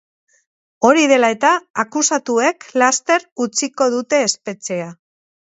Hori dela eta, akusatuek laster utziko dute espetxea.